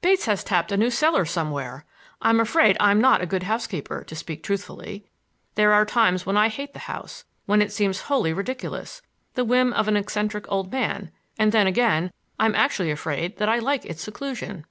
Bates has tapped a new cellar somewhere. I'm afraid I'm not a good housekeeper, to speak truthfully. There are times when I hate the house; when it seems wholly ridiculous, the whim of an eccentric old man; and then again I'm actually afraid that I like its seclusion."